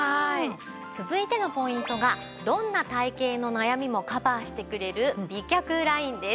続いてのポイントがどんな体形の悩みもカバーしてくれる美脚ラインです。